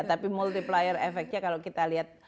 tapi multiplier efeknya kalau kita lihat